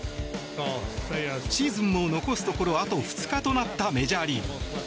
シーズンも残すところあと２日となったメジャーリーグ。